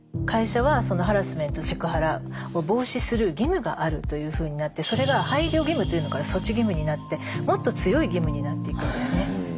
会社はそのハラスメントセクハラを防止する義務があるというふうになってそれが配慮義務というのから措置義務になってもっと強い義務になっていくんですね。